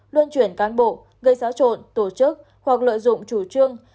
luân chuyển cán bộ gây xáo trộn tổ chức hoặc lợi dụng chủ trương